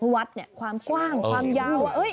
วัดความกว้างความยาว